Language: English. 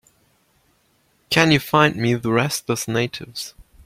Can you find me the Restless Natives?